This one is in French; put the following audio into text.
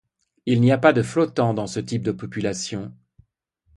Il n'y a pas de flottants dans ce type de population.